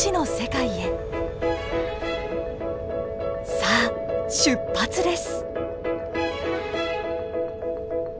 さあ出発です！